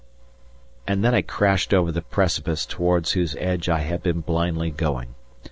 And then I crashed over the precipice towards whose edge I had been blindly going.